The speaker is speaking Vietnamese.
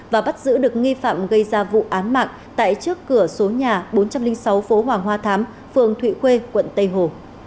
và bắt giữ được nghi phạm gây ra vụ án mạng tại trước cửa số nhà bốn trăm linh sáu phố hoàng hoa thám phường thụy khuê quận tây hồ